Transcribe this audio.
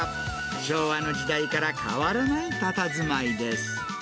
昭和の時代から変わらないたたずまいです。